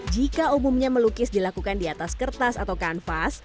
jika umumnya melukis dilakukan di atas kertas atau kanvas